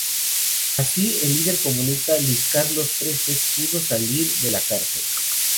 Así, el líder comunista Luis Carlos Prestes pudo salir de la cárcel.